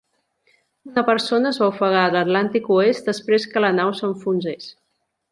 Una persona es va ofegar a l'Atlàntic oest després que la nau s'enfonsés.